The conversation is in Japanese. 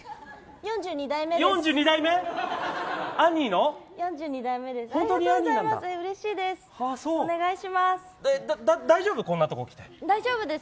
４２代目です。